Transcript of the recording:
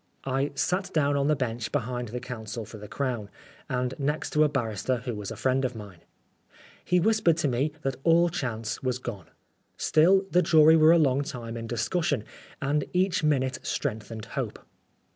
I sat down on the bench behind the counsel for the Crown, and next to a barrister who was a friend of mine. He whispered to me that all chance was 1 88 Oscar Wilde gone. Still, the jury were a long time in discussion, and each minute strengthened hope.